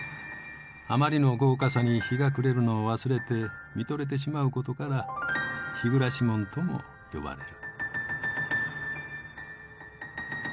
あまりの豪華さに日が暮れるのを忘れて見とれてしまうことから日暮門とも呼ばれる。